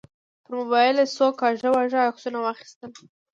پر موبایل یې څو کاږه واږه عکسونه واخیستل.